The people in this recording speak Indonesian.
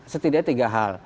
setidaknya tiga hal